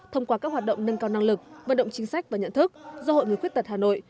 thông qua các hoạt động nâng cao năng lực vận động chính sách và nhận thức do hội người khuyết tật hà nội